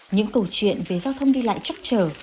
những câu chuyện về giao thông đi lại chắc chở